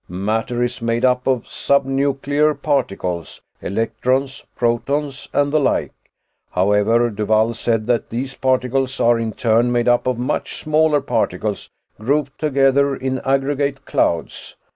Matter is made up of subnuclear particles electrons, protons and the like. However, Duvall said that these particles are in turn made up of much smaller particles grouped together in aggregate clouds.